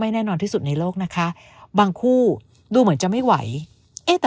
แน่นอนที่สุดในโลกนะคะบางคู่ดูเหมือนจะไม่ไหวเอ๊ะแต่